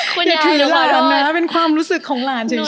คุณยายเป็นหวังหนูค่ะเป็นความรู้สึกของหลานเฉย